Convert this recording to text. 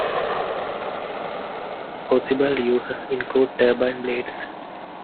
Possible uses include turbine blades.